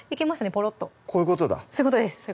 ぽろっとこういうことだそういうことです